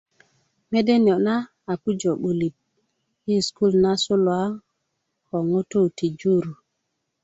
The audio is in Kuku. mede niyo' na a pujö 'bulit i sukul na suluwa ko ŋutu ti jur